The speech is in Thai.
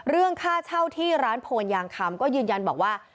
เรื่องค่าเช่าที่ร้านโพนยางคำก็ยืนยันบอกว่า